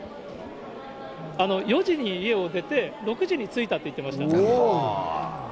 ４時に家を出て、６時に着いたと言ってました。